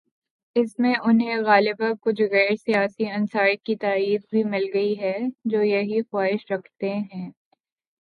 اس میں انہیں غالباکچھ غیر سیاسی عناصر کی تائید بھی مل گئی ہے" جو یہی خواہش رکھتے ہیں۔